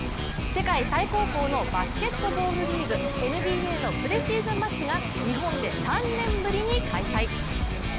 世界最高峰のバスケットボールリーグＮＢＡのプレシーズンマッチが日本で３年ぶりに開催。